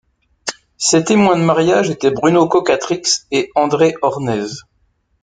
Ses témoins de mariage étaient Bruno Coquatrix et André Hornez.